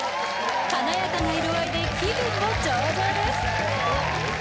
華やかな色合いで気分も上々です。